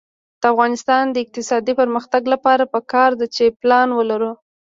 د افغانستان د اقتصادي پرمختګ لپاره پکار ده چې پلان ولرو.